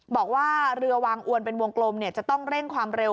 บอกว่าเรือวางอวนเป็นวงกลมจะต้องเร่งความเร็ว